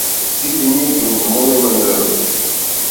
Сите ние ќе му помогнеме на дедото.